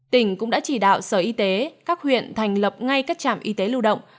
tỉnh cũng đã chỉ đạo sở y tế các huyện thành lập ngay các trạm y tế lưu động